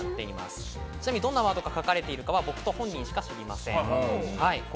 どんなワードが書かれているのかは、僕と本人しか知りません。